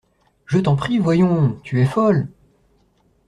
Je t’en prie, voyons ! tu es folle !